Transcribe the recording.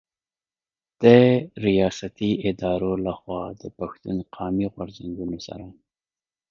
د رياستي ادارو له خوا د پښتون قامي غرځنګونو سره